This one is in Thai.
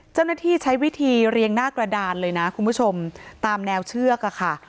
เจ้าหน้าที่ใช้วิธีเรียงหน้ากระดานเลยนะคุณผู้ชมตามแนวเชือกอะค่ะ